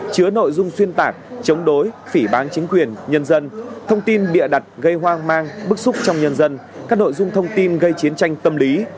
chứa nội dung xuyên tạc chống đối phỉ bán chính quyền nhân dân thông tin bịa đặt gây hoang mang bức xúc trong nhân dân các nội dung thông tin gây chiến tranh tâm lý